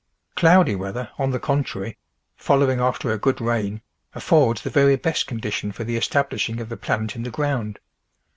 Cloudy weather, on the contrary, following after a good rain, affords the very best condition for the establishing of the plant in the ground.